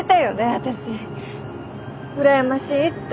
私羨ましいって。